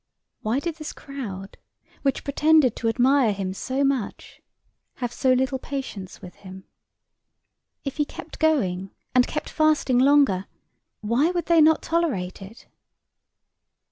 Why did this crowd, which pretended to admire him so much, have so little patience with him? If he kept going and kept fasting longer, why would they not tolerate it?